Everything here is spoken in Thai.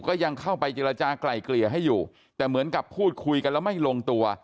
ก็ยังเข้าไปเจรจากลายเกลี่ยให้อยู่แต่เหมือนกับพูดคุยกันแล้วไม่ลงตัว